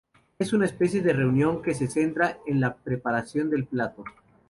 Es una especie de reunión que se centra en la preparación del plato.